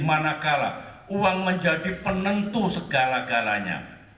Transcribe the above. manakala uang menjadi penentu segala galanya